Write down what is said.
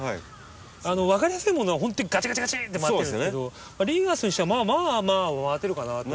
分かりやすいものはほんとにガチガチガチって回ってるんですけどリーガースにしてはまあまあ回ってるかなと。